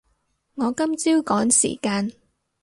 我今朝趕時間